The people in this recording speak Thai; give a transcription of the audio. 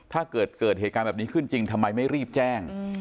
ถ้าเกิดเกิดเหตุการณ์แบบนี้ขึ้นจริงทำไมไม่รีบแจ้ง